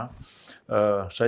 saya juga memberikan konten